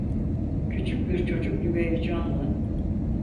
Küçük bir çocuk gibi heyecanla: